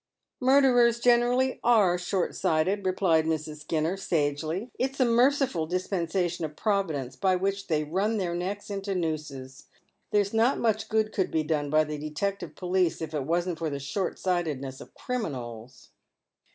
" Murderers generally are short sighted," replies Mrs. Skinner, eagely. " It's a merciful dispensation of Providence by which they run their necks into nooses. There's not much good could be done by tlie detective police if it wasn't for the short sighted ness of criminals."